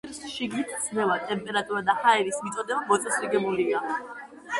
სკაფანდრს შიგნით წნევა, ტემპერატურა და ჰაერის მიწოდება მოწესრიგებულია.